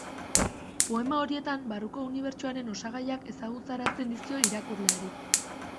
Poema horietan barruko unibertsoaren osagaiak ezagutarazten dizkio irakurleari.